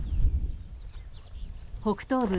北東部